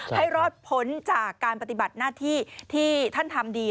ให้รอดพ้นจากการปฏิบัติหน้าที่ที่ท่านทำดี